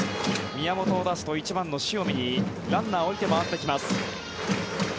宮本を出すと、１番の塩見にランナーを置いて回ってきます。